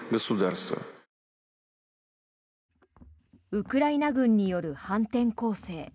ウクライナ軍による反転攻勢。